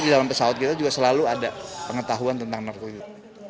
di dalam pesawat kita juga selalu ada pengetahuan tentang narkotika